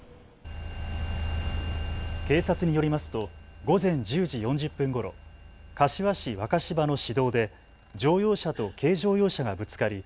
警察によりますと午前１０時４０分ごろ、柏市若柴の市道で乗用車と軽乗用車がぶつかり